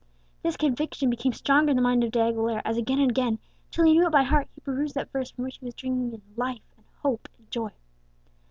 This conviction became stronger in the mind of De Aguilera, as again and again till he knew it by heart he perused that verse from which he was drinking in life, and hope, and joy.